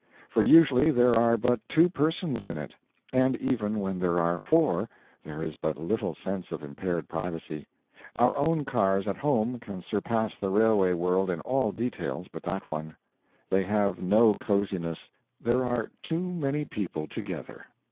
For usually there are but two persons in it; and even when there are four there is but little sense of impaired privacy. Our own cars at home can surpass the railway world in all details but that one: they have no cosiness; there are too many people together.